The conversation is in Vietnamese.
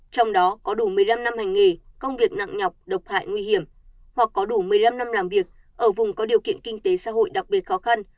trong đó có đủ một mươi năm năm hành nghề công việc nặng nhọc độc hại nguy hiểm hoặc có đủ một mươi năm năm làm việc ở vùng có điều kiện kinh tế xã hội đặc biệt khó khăn